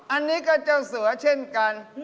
อันนี้ก็เจ้าเสือเช่นกัน